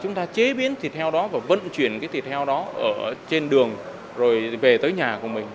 chúng ta chế biến thịt heo đó và vận chuyển cái thịt heo đó ở trên đường rồi về tới nhà của mình